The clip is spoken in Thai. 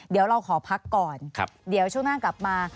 เดี๋ยวเราขอพักก่อนเดี๋ยวช่วงหน้ากลับมา